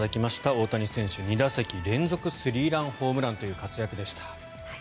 大谷選手、２打席連続スリーランホームランという活躍でした。